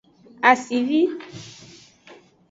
Asivi.